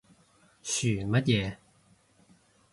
噓乜嘢？